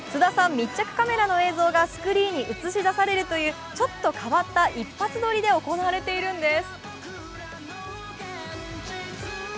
密着カメラの映像がスクリーンに映し出されるというちょっと変わった一発撮りで行われているんです。